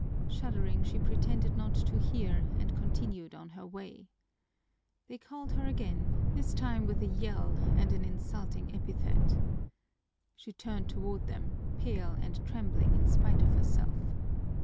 Shuddering, she pretended not to hear, and continued on her way. They called her again, this time with a yell and an insulting epithet. She turned toward them, pale and trembling in spite of herself.